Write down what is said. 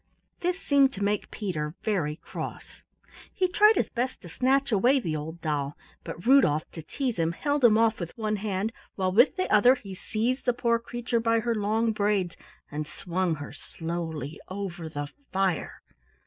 This seemed to make Peter very cross. He tried his best to snatch away the old doll, but Rudolf, to tease him, held him off with one hand while with the other he seized the poor creature by her long braids and swung her slowly over the fire.